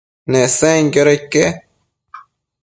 Nesenquioda ique?